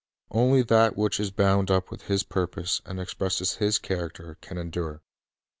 Only that which is bound up with His purpose, and expresses His character, can endure.